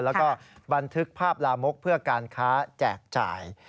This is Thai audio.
แล้วก็บันทึกภาพลามกเพื่อการค้าแจกจ่าย